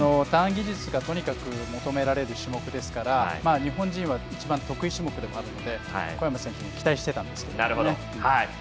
ターン技術がとにかく求められる種目ですから日本人は一番得意種目でもあるので小山選手に期待してたんですけど。